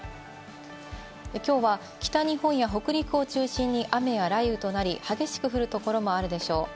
きょうは北日本や北陸を中心に雨や雷雨となり、激しく降るところもあるでしょう。